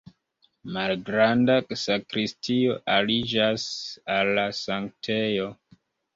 Malgranda sakristio aliĝas al la sanktejo.